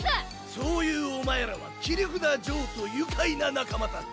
そういうお前らは切札ジョーとゆかいな仲間たち！